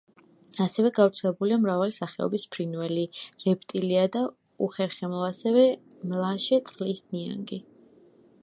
ასევე გავრცელებულია მრავალი სახეობის ფრინველი, რეპტილია და უხერხემლო, ასევე მლაშე წყლის ნიანგი.